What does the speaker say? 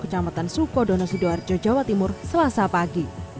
kecamatan sukodono sidoarjo jawa timur selasa pagi